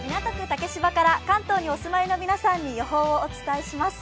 竹芝から関東にお住まいの皆さんに予報をお伝えします。